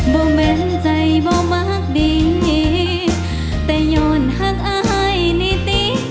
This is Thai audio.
่แม่นใจบ่มากดีแต่ย้อนหักอายนิติ